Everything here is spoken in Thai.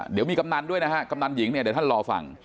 เดี๋ยวมีกำนันด้วยนะฮะกำนันหญิงเนี่ยเดี๋ยวท่านรอฟัง